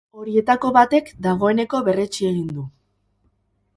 Horietako batek dagoeneko, berretsi egin du.